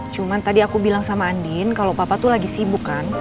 cuma tadi aku bilang sama andin kalau papa tuh lagi sibuk kan